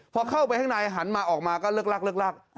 พอเข้าไปข้างในนาฮันมาออกมาก็เลือดลัก